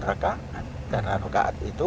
rakaat karena rakaat itu